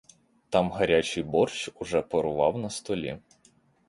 Там гарячий борщ уже парував на столі.